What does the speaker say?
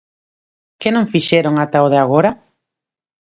¿Que non fixeron ata o de agora?